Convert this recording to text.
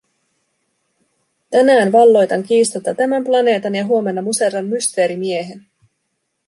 Tänään valloitan kiistatta tämän planeetan, ja huomenna muserran Mysteerimiehen.